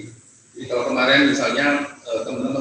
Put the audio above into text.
jadi kalau kemarin misalnya teman teman